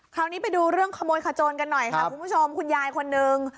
คราวนี้ไปดูเรื่องขโมยขจนกันหน่อยค่ะคุณผู้ชมคุณยายคนนึง